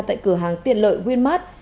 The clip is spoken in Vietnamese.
tại cửa hàng tiện lợi winway